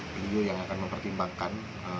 beliau yang akan mempertimbangkan